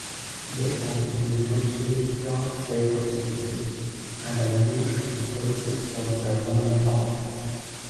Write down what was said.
They constitute ritually pure sacred spaces, and are used as sources for ceremonial objects.